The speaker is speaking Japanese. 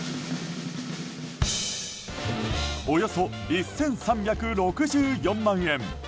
およそ１３６４万円。